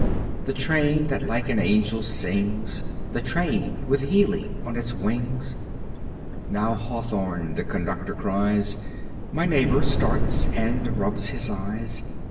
The train, that like an angel sings, The train, with healing on its wings. Now "Hawthorne!" the conductor cries. My neighbor starts and rubs his eyes.